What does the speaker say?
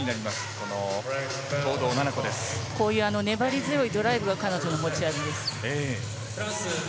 こういう粘り強いドライブが彼女の持ち味です。